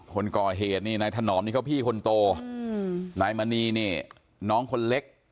คนก่อเหตุนี่นายถนอมนี่เขาพี่คนโตอืมนายมณีนี่น้องคนเล็ก